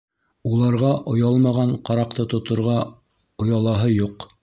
Урларға оялмаған ҡараҡты тоторға оялаһы юҡ.